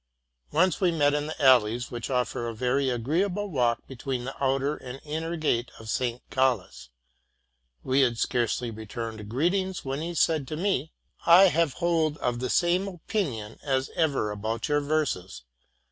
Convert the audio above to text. Once we met in the alleys which offer a very agreeable walk between the outer and inner gate of Saint Gallus. We had scarcely returned greetings when he said to me, ''I hold to the same opinion as ever about your verses.